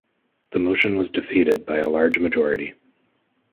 The motion was defeated by a large majority.